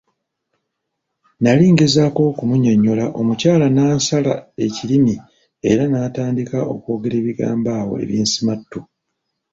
Nali ngezaako okumunnyonnyola, omukyala n'ansala ekirimi era n'atandika okwogera ebigambo awo eby'ensumattu.